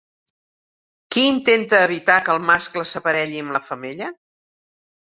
Qui intenta evitar que el mascle s'aparelli amb la femella?